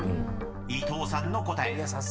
［伊藤さんの答え